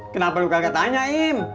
kenapa lu kagak tanya im